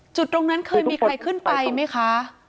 จุดตรงนั้นเคยมีใครขึ้นไปไหมคะ